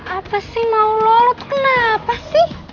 apa sih mau lolot kenapa sih